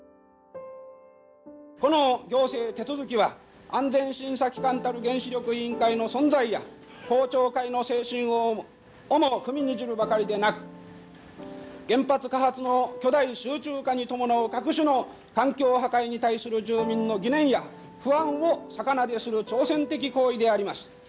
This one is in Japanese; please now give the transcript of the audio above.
この行政手続は安全審査機関たる原子力委員会の存在や公聴会の精神をも踏みにじるばかりでなく原発火発の巨大集中化に伴う各種の環境破壊に対する住民の疑念や不安を逆なでする挑戦的行為であります。